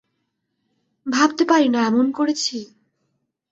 ভাবতে পারি না, এমন করেছি।